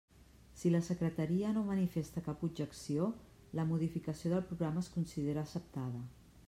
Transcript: Si la Secretaria no manifesta cap objecció, la modificació del programa es considera acceptada.